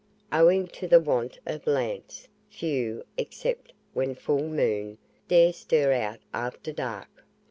Owing to the want of lamps, few, except when full moon, dare stir out after dark.